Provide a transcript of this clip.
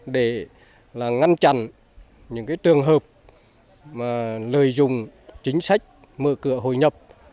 để ngăn chặn những trường hợp lợi dụng chính sách mở cửa hồi nhập